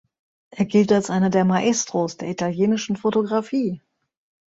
Er gilt als einer der "Maestros" der italienischen Fotografie.